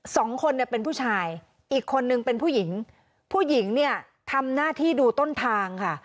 สองคนเนี่ยเป็นผู้ชายอีกคนนึงเป็นผู้หญิงผู้หญิงเนี่ยทำหน้าที่ดูต้นทางค่ะ